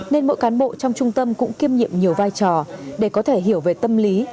nên mỗi cán bộ trong trung tâm cũng kiêm nhiệm nhiều vai trò để có thể hiểu về tâm lý